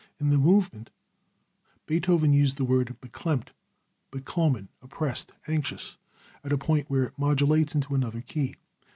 In this movement Beethoven used the word Beklemmt (Beklommen) (oppressed, anxious) at a point where it modulates into another key.